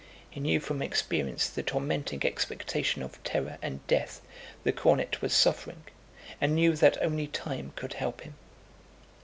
He knew from experience the tormenting expectation of terror and death the cornet was suffering and knew that only time could help him.